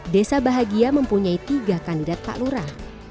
desa bahagia mempunyai tiga kandidat pak lurah